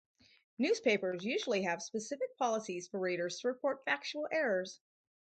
Newspapers usually have specific policies for readers to report factual errors.